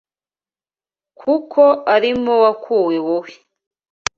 kuko ari mo wakuwe wowe